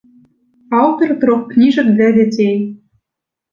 Аўтар трох кніжак для дзяцей.